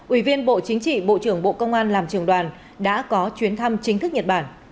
ủy viên bộ chính trị bộ trưởng bộ công an làm trường đoàn đã có chuyến thăm chính thức nhật bản